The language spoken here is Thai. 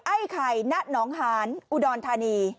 ไอ้ไข่ณหนองหานอุดรธานี